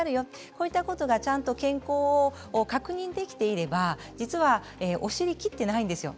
こういったことがちゃんと健康を確認できていれば実はお尻を切っていないんですよ。